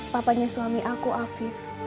papanya suami aku afif